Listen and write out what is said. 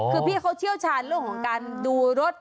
คือพี่เขาเชี่ยวชาญเรื่องของการดูรถ